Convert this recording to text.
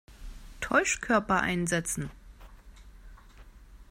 Täuschkörper einsetzen!